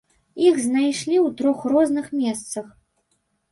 Іх знайшлі ў трох розных месцах.